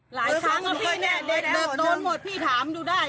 หลายครั้งแล้วพี่เนี่ยเด็กโตนโหดพี่ถามดูได้